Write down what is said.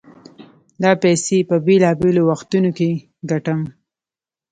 دا پيسې په بېلابېلو وختونو کې ګټم.